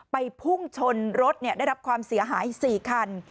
พุ่งชนรถได้รับความเสียหาย๔คัน